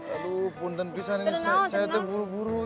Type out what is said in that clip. aduh pun ten pisah nih saya tuh buru buru ya